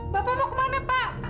bapak mau ke mana pak